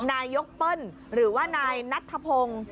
นายกเปิ้ลหรือว่านายนัทธพงศ์